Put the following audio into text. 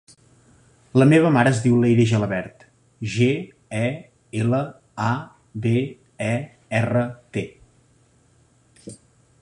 La meva mare es diu Leyre Gelabert: ge, e, ela, a, be, e, erra, te.